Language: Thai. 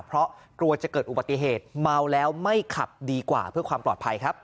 เพราะกลัวจะเกิดอุบัติเหตุเมาแล้วไม่ขับดีกว่าเพื่อความปลอดภัยครับ